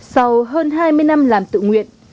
sau hơn hai mươi năm làm tự nguyện